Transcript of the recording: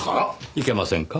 いけませんか？